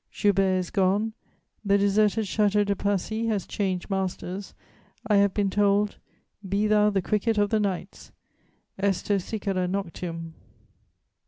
Joubert is gone; the deserted Château de Passy has changed masters; I have been told, 'Be thou the cricket of the nights: _Esto cicada noctium.